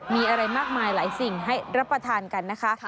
มีอะไรมากมายหลายสิ่งให้รับประทานกันนะคะ